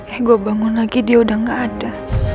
eh gue bangun lagi dia udah gak ada